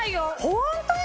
ホントに？